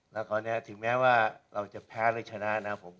แล้วก็ถึงแม้ว่าเราจะแพ้หรือชนะ